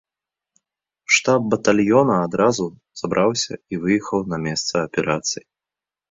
Штаб батальёна адразу забраўся і выехаў на месца аперацыі.